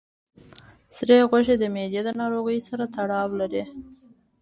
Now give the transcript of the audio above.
سرې غوښه د معدې د ناروغیو سره تړاو لري.